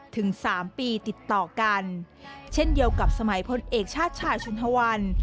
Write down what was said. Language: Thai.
ถึงสามปีติดต่อกันเช่นเดียวกับสมัยพลเอกชาติชายชุนทวัน